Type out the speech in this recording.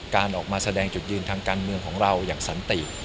การออกมาแสดงจุดยืนทางการเมืองของเราอย่างสันติ